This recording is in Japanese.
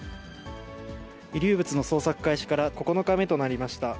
遺留物の捜索開始から９日目となりました。